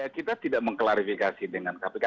kita tidak mengklarifikasi dengan kpk